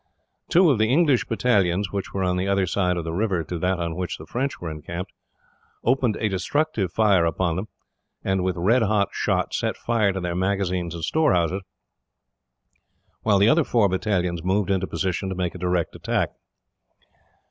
Two of the English battalions, which were on the other side of the river to that on which the French were encamped, opened a destructive fire upon them, and with red hot shot set fire to their magazines and storehouses, while the other four battalions moved into position to make a direct attack.